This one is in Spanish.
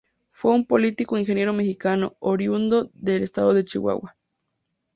Fue un político e ingeniero mexicano, oriundo del estado de Chihuahua.